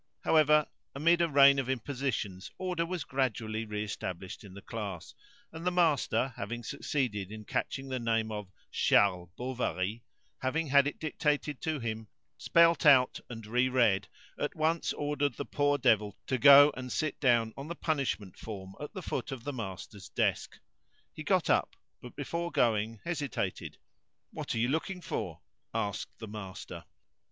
However, amid a rain of impositions, order was gradually re established in the class; and the master having succeeded in catching the name of "Charles Bovary," having had it dictated to him, spelt out, and re read, at once ordered the poor devil to go and sit down on the punishment form at the foot of the master's desk. He got up, but before going hesitated. "What are you looking for?" asked the master.